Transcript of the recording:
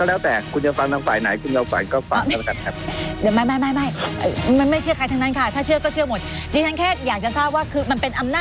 เอ๊ะผู้การทำไมมันไม่เป็นหน้าที่ของพนักงานสอบสวนเป็นคนทำล่ะคะ